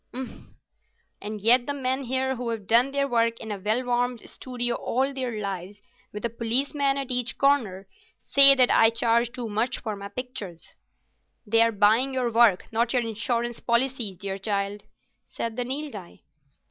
"Umph! And yet the men here who've done their work in a well warmed studio all their lives, with a policeman at each corner, say that I charge too much for my pictures." "They are buying your work, not your insurance policies, dear child," said the Nilghai.